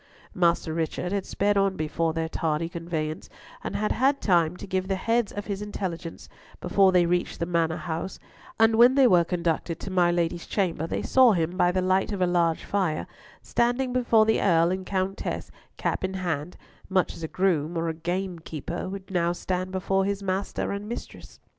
Master Richard had sped on before their tardy conveyance, and had had time to give the heads of his intelligence before they reached the Manor house, and when they were conducted to my Lady's chamber, they saw him, by the light of a large fire, standing before the Earl and Countess, cap in hand, much as a groom or gamekeeper would now stand before his master and mistress.